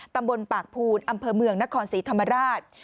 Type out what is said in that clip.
ตำบลปากภูนอำเภอเมืองนครศรีธรรมราช